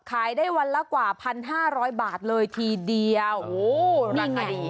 ขายได้วันละกว่า๑๕๐๐บาทเลยทีเดียวโอ้โหราคาดี